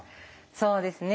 そうですね